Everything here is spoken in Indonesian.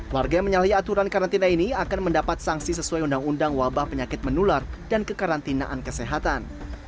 warga yang menyalahi aturan karantina ini akan mendapat sanksi sesuai undang undang wabah penyakit menular dan kekarantinaan kesehatan